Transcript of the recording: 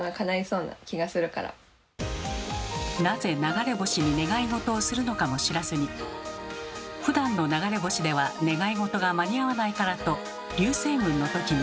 なぜ流れ星に願いごとをするのかも知らずにふだんの流れ星では願いごとが間に合わないからと流星群の時に。